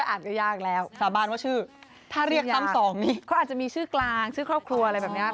อาจจะยากแล้วชาวบ้านว่าชื่อถ้าเรียกซ้ำสองนี้เขาอาจจะมีชื่อกลางชื่อครอบครัวอะไรแบบนี้